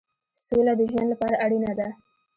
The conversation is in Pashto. سوله د ژوند لپاره اړینه ده.